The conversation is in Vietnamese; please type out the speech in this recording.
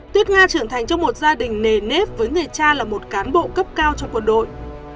tuyết nga trưởng thành trong một gia đình nề nếp với người cha là một cán bộ cấp cao trong quân đội